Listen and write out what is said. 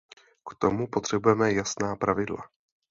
K tomu potřebujeme jasná pravidla.